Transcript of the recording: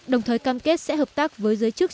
đồng thời cam kết sẽ hợp tác với giới chức